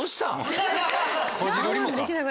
こじるりもか。